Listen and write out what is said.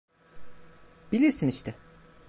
Bilirsin işte.